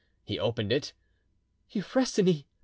He opened it. "Euphrosyne!"